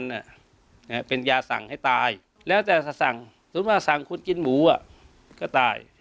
นะฮะเป็นยาสั่งให้ตายแล้วแต่ถ้าสั่งสมมุติว่าสั่งคุณกินหมูอ่ะก็ตาย